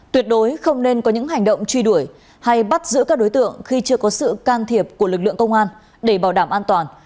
tuyệt đối không nên có những hành động truy đuổi hay bắt giữ các đối tượng khi chưa có sự can thiệp của lực lượng công an để bảo đảm an toàn